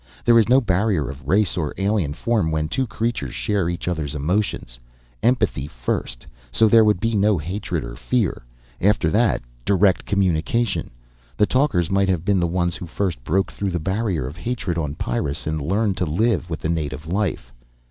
There is no barrier of race or alien form when two creatures share each other's emotions. Empathy first, so there would be no hatred or fear. After that direct communication. The talkers might have been the ones who first broke through the barrier of hatred on Pyrrus and learned to live with the native life.